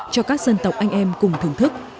cho các dân tộc anh em cùng thưởng thức